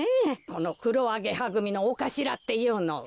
このくろアゲハぐみのおかしらっていうのは。